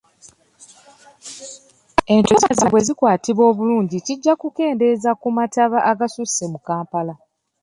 Entobazi bwe zikwatibwa bulungi kijja kukendeeza ku mataba agasusse mu Kampala.